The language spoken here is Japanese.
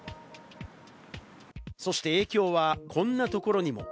そして影響はこんなところにも。